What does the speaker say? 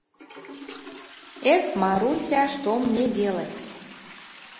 «Эх, Маруся, что мне делать?